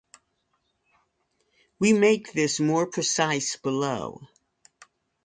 We make this more precise below.